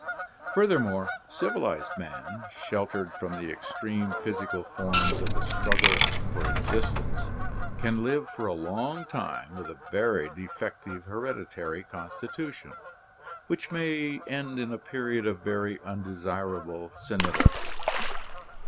Fur thermore, civilized man, sheltered from the extreme physical forms of the struggle for existence, can live for a long time with a very defective hereditary constitution, which may end in a period of very undesirable senility.